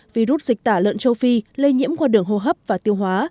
virus dịch tả lợn châu phi lây nhiễm qua đường hô hấp và tiêu hóa